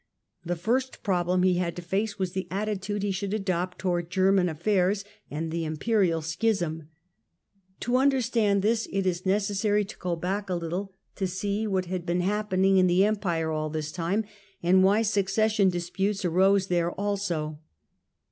The first problem he had to face was the attitude he should adopt towards German affairs, and the Imperial Schism. To understand this it is necessary to go back a Httle to see what had been happening in the Empire all this time, and why succession disputes arose there also.